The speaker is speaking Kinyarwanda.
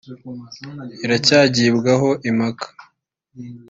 iracyagibwaho impaka